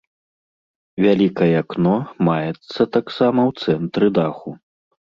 Вялікае акно маецца таксама ў цэнтры даху.